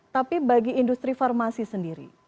tapi bagi industri farmasi sendiri